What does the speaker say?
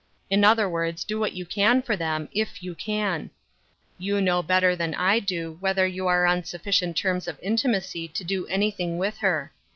In other words, do what you can for them, if you can. You know better than I do whether 70U arc on sufficient terms of intimacy to do anything with her.